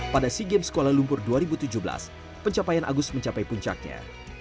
pada sea games kuala lumpur dua ribu tujuh belas pencapaian agus mencapai puncaknya